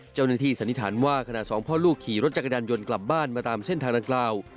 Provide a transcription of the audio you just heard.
สันนิษฐานว่าขณะสองพ่อลูกขี่รถจักรยานยนต์กลับบ้านมาตามเส้นทางดังกล่าว